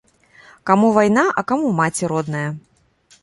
Каму вайна, а каму маці родная!